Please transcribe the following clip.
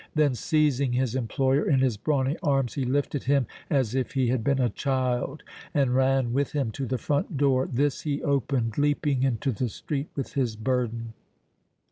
Then, seizing his employer in his brawny arms, he lifted him as if he had been a child and ran with him to the front door; this he opened, leaping into the street with his burden.